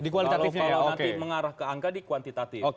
kalau nanti mengarah ke angka di kuantitatif